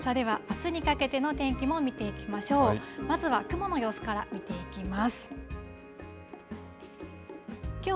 それではあすにかけての天気も見ていきましょう。